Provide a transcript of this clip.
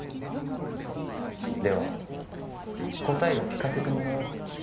「では答えを聞かせてもらおう」